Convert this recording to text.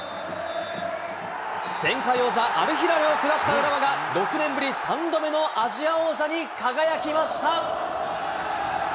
前回王者、アルヒラルを下した浦和が、６年ぶり３度目のアジア王者に輝きました。